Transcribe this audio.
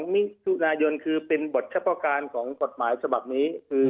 มิถุนายนคือเป็นบทเฉพาะการของกฎหมายฉบับนี้คือ